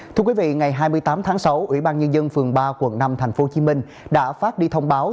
thưa quý vị ngày hai mươi tám tháng sáu ủy ban nhân dân phường ba quận năm tp hcm đã phát đi thông báo